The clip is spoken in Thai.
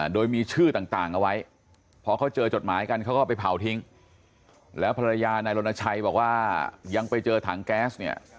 โดยมีชื่อต่างเอาไว้พอเขาเจอจดหมายกันเขาก็ไปเผาทิ้งแล้วภรรยานายรณชัยบอกว่ายังไปเจอถังแก๊สเนี่ย